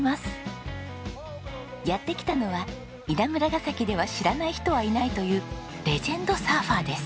やって来たのは稲村ガ崎では知らない人はいないというレジェンドサーファーです。